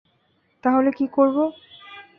তাহলে কী করব?